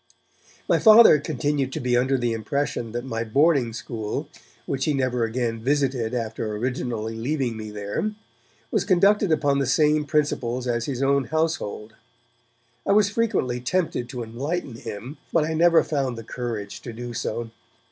My Father continued to be under the impression that my boarding school, which he never again visited after originally leaving me there, was conducted upon the same principles as his own household. I was frequently tempted to enlighten him, but I never found the courage to do so.